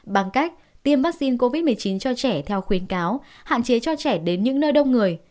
bằng cách tiêm vaccine covid một mươi chín cho trẻ theo khuyến cáo hạn chế cho trẻ đến những nơi đông người